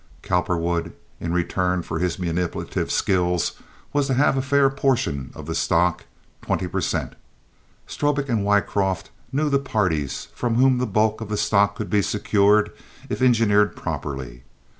Cowperwood in return for his manipulative skill was to have a fair proportion of the stock—twenty per cent. Strobik and Wycroft knew the parties from whom the bulk of the stock could be secured if engineered properly.